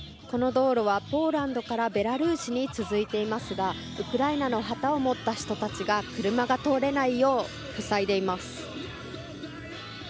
この道路はポーランドからベラルーシに続いていますがウクライナの旗を持った人たちが車が通れないよう塞いでいます。